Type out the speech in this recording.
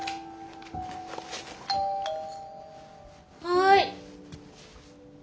はい。